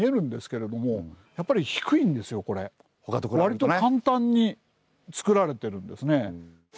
割と簡単につくられてるんですね。